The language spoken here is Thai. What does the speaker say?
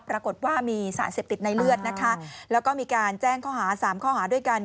ปรากฏว่ามีสารเสพติดในเลือดนะคะแล้วก็มีการแจ้งข้อหาสามข้อหาด้วยกัน